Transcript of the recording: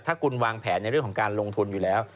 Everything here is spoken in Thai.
ถ้าคุณวางแผนในเรื่องของการลงทุนอยู่แล้ว